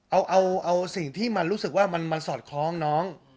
เอาสิ่งที่มันรู้สึกว่ามันสอดคล้องน้อง